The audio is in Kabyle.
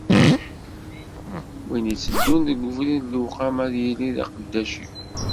Win itteddun deg ubrid n lewqama ad yili d aqeddac-iw.